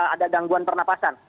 ada gangguan pernapasan